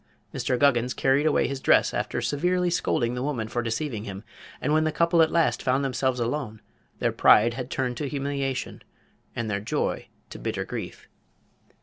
Mr. Guggins carried away his dress after severely scolding the woman for deceiving him, and when the couple at last found themselves alone their pride had turned to humiliation and their joy to bitter grief.